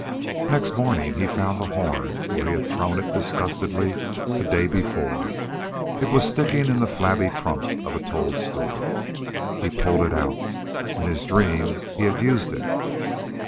Next morning he found the horn where he had thrown it disgustedly the day before. It was sticking in the flabby trunk of a toadstool. He pulled it out. In his dream he had used it....